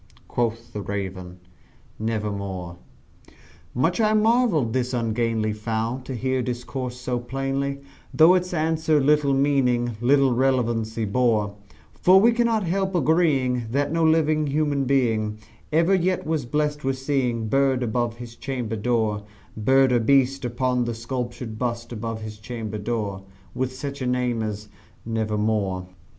Quoth the Raven "Nevermore." Much I marvelled this ungainly fowl to hear discourse so plainly, Though its answer little meaning little relevancy bore; For we cannot help agreeing that no living human being Ever yet was blessed with seeing bird above his chamber door Bird or beast upon the sculptured bust above his chamber door, With such name as "Nevermore."